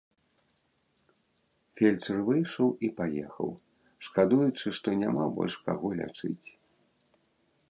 Фельчар выйшаў і паехаў, шкадуючы, што няма больш каго лячыць.